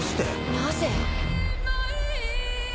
なぜ？